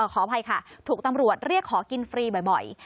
ขออภัยค่ะถูกตำรวจเรียกขอกินฟรีบ่อย